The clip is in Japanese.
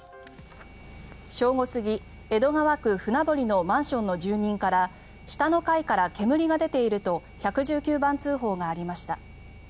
正午過ぎ、江戸川区船堀のマンションの住人から下の階から煙が出ていると１１９番通報がありました。